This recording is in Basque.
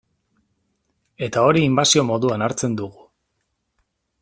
Eta hori inbasio moduan hartzen dugu.